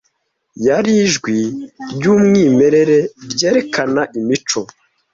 yari ijwi ryumwimerere ryerekana imico